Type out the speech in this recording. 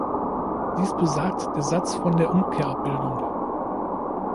Dies besagt der Satz von der Umkehrabbildung.